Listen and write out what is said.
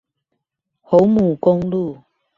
侯牡公路